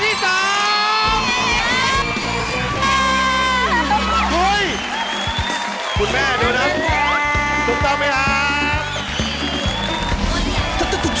ถูกต้องไปครับ